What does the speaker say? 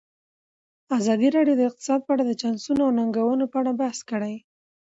ازادي راډیو د اقتصاد په اړه د چانسونو او ننګونو په اړه بحث کړی.